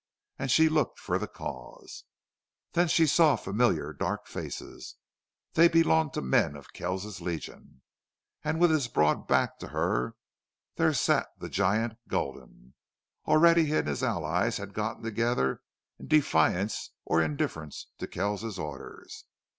And she looked for the cause. Then she saw familiar dark faces; they belonged to men of Kells's Legion. And with his broad back to her there sat the giant Gulden. Already he and his allies had gotten together in defiance of or indifference to Kells's orders.